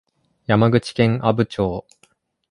山口県阿武町